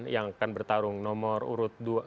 yang akan bertarung nomor urut dua